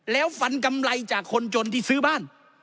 แล้วฟันกำไรจากคนจนที่ซื้อบ้าน